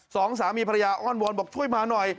สองสามีภรรยาอ้อนวอนบอกช่วยมาหน่อย